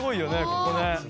ここね。